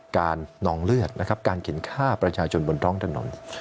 นองเลือดนะครับการเข็นฆ่าประชาชนบนท้องถนน